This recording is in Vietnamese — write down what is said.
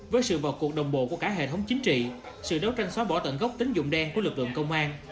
với sự vào cuộc đồng bộ của cả hệ thống chính trị sự đấu tranh xóa bỏ tận gốc tính dụng đen của lực lượng công an